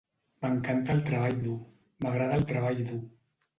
M'encanta el treball dur; M'agrada el treball dur.